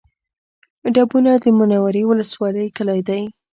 ډبونه د منورې ولسوالۍ کلی دی